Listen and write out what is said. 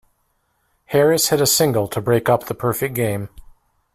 Harris hit a single to break up the perfect game.